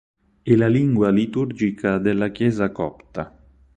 È la lingua liturgica della chiesa copta.